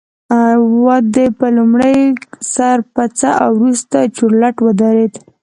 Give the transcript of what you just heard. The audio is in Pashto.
وده په لومړي سر کې پڅه او وروسته چورلټ ودرېده